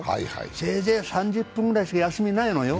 せいぜい３０分ぐらいしか休みないのよ。